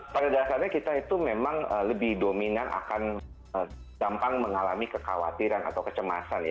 pada dasarnya kita itu memang lebih dominan akan gampang mengalami kekhawatiran atau kecemasan